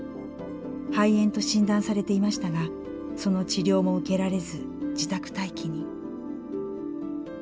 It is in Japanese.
肺炎と診断されていましたがその治療も受けられず自宅待機に。